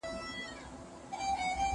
په عزت به یادېدی په قبیله کي